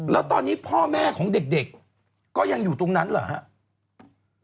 แล้วตอนนี้พ่อแม่ของเด็กก็ยังอยู่ตรงนั้นเหรอครับ